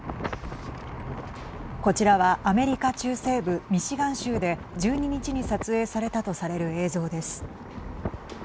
こちらはアメリカ中西部ミシガン州で１２日に撮影されたとされる映像です。